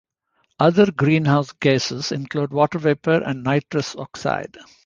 Other greenhouse gases include water vapor, and nitrous oxide.